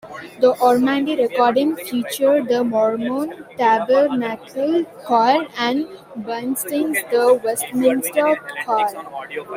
The Ormandy recording featured the Mormon Tabernacle Choir, and Bernstein's the Westminster Choir.